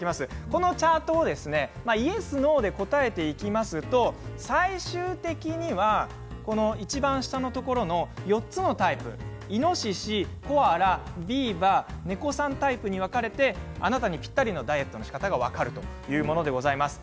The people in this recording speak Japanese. このチャートにイエス、ノーで答えていきますと最終的にはいちばん下のところの４つのタイプイノシシ、コアラビーバー、ネコに分かれてあなたにぴったりのダイエットのしかたが分かるというものでございます。